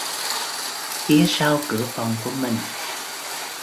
Trinh từ từ ngoảnh đầu lại phía sau cửa phòng của mình